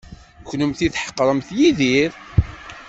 Kennemti tḥeqremt Yidir.